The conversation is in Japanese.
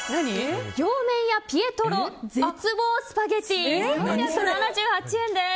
洋麺屋ピエトロ絶望スパゲティ、３７８円です。